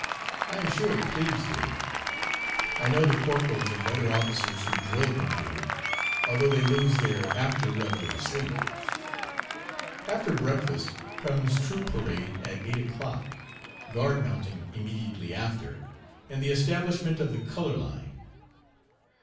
I am sure the plebes do. I know the corporals and other officers who drill them do, although they lose their after reveille sleep. After breakfast comes troop parade at eight o'clock, guard mounting immediately after, and the establishment of the "color line."